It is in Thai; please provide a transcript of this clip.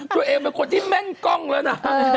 ตัวเองเป็นคนที่แม่นกล้องแล้วนะ